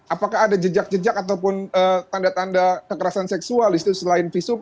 apakah ada jejak jejak ataupun tanda tanda kekerasan seksual di situ selain visum